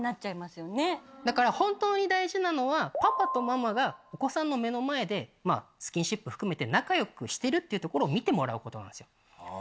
だから本当に大事なのはパパとママがお子さんの目の前でスキンシップ含めて仲良くしてるっていうところを見てもらうことなんですよ。